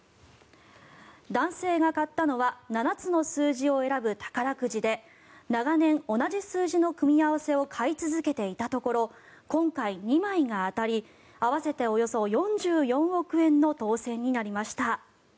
男性が買ったのは７つの数字を選ぶ宝くじで長年、同じ数字の組み合わせを買い続けていたところ今回、２枚が当たり合わせておよそ４４億円の当選になりました。